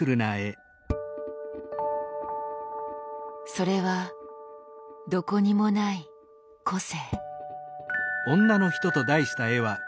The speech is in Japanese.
それはどこにもない個性。